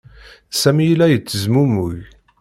Sami yella yettezmumug.